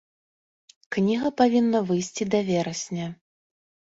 Кніга павінна выйсці да верасня.